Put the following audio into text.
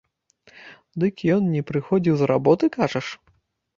Дык ён не прыходзіў з работы, кажаш?